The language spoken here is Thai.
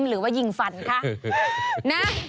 หรือว่ายิงฟันคะนะ